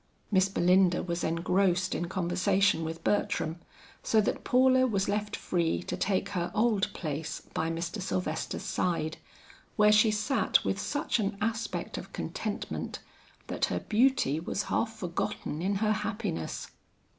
Miss Belinda was engrossed in conversation with Bertram, so that Paula was left free to take her old place by Mr. Sylvester's side, where she sat with such an aspect of contentment, that her beauty was half forgotten in her happiness.